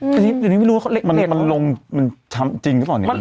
ชัยนี้ไม่รู้วะเขาเล็กมาลงมันทำจริงหรือเปล่านี้